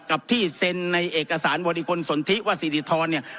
กับที่เซ็นในเอกสารบริคลสนทิว่าสิริธรเนี่ย